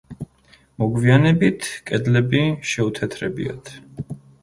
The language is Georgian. მოგვიანებით, კედლები შეუთეთრებიათ.